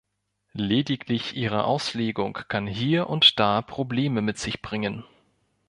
Lediglich ihre Auslegung kann hier und da Probleme mit sich bringen.